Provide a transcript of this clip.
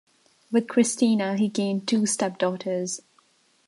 With Christina, he gained two step-daughters.